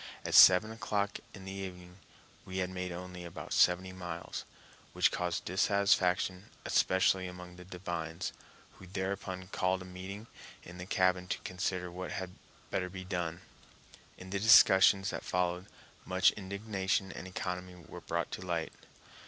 At seven o'clock in the evening we had made only about seventy miles, which caused dissatisfaction, especially among the divines, who thereupon called a meeting in the cabin to consider what had better be done. In the discussions that followed much indignation and economy were brought to light.